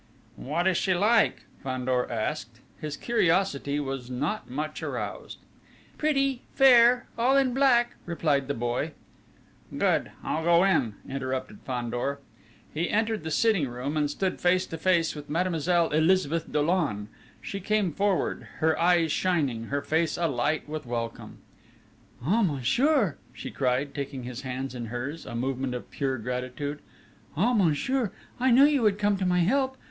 "What is she like?" Fandor asked. His curiosity was not much aroused. "Pretty, fair, all in black," replied the boy. "Good. I'll go in," interrupted Fandor. He entered the sitting room and stood face to face with Mademoiselle Elizabeth Dollon. She came forward, her eyes shining, her face alight with welcome: "Ah, monsieur," she cried, taking his hands in hers, a movement of pure gratitude: "Ah, monsieur, I knew you would come to my help!